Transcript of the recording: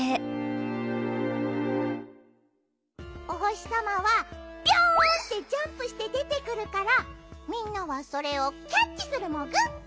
おほしさまはビョンってジャンプしてでてくるからみんなはそれをキャッチするモグ。